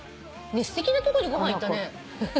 すてきなとこご飯行ったね。